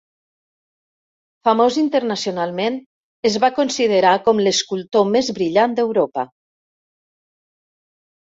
Famós internacionalment, es va considerar com l'escultor més brillant d'Europa.